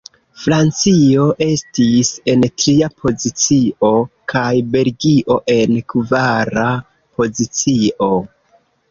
Francio estis en tria pozicio, kaj Belgio en kvara pozicio.